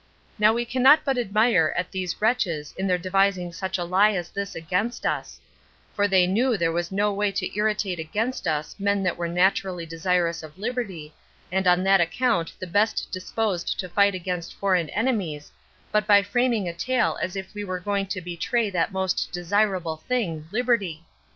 Now we cannot but admire at these wretches in their devising such a lie as this against us; for they knew there was no other way to irritate against us men that were naturally desirous of liberty, and on that account the best disposed to fight against foreign enemies, but by framing a tale as if we were going to betray that most desirable thing, liberty.